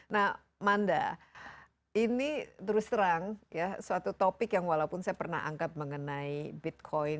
nah manda ini terus terang ya suatu topik yang walaupun saya pernah angkat mengenai bitcoin